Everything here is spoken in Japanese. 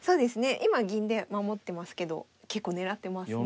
今銀で守ってますけど結構狙ってますね。